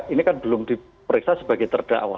ini kan belum diperiksa sebagai terdakwa